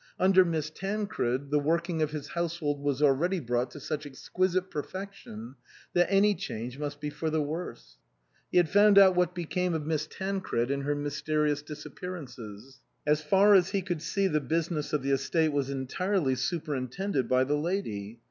Under Miss Tancred the working of his house hold was already brought to such exquisite per fection that any change must be for the worse. He had found out what became of Miss Tancred in her mysterious disappearances. As far as he could see the business of the estate was entirely superintended by the lady.